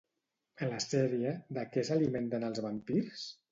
A la sèrie, de què s'alimenten els vampirs?